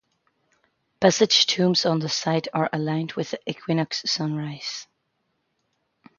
Passage tombs on the site are aligned with the Equinox sunrise.